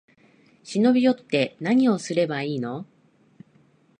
忍び寄って、なにをすればいいの？